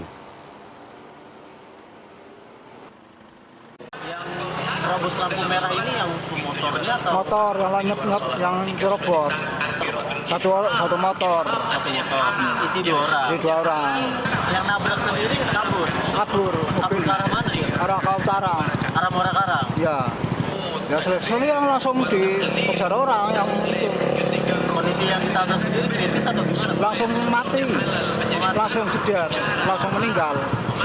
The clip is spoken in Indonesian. ada orang yang langsung mati langsung jajar langsung meninggal